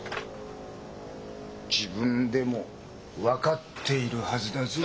自分でも分かっているはずだぞ。